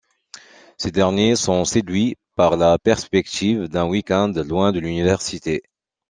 Ces derniers sont séduits par la perspective d'un week-end loin de l'université.